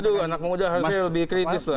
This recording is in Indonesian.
aduh anak muda harusnya lebih kritis lah